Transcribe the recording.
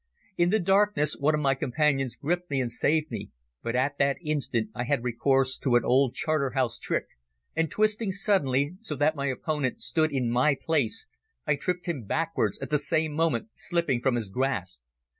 In the darkness one of my companions gripped me and saved me, but at that instant I had recourse to an old Charterhouse trick, and twisting suddenly, so that my opponent stood in my place, I tripped him backwards, at the same moment slipping from his grasp.